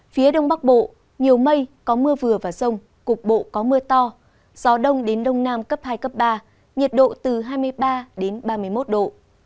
phía đông bắc bộ nhiều mây có mưa vừa và rông cục bộ có mưa to gió đông đến đông nam cấp hai cấp ba nhiệt độ từ hai mươi ba đến ba mươi một độ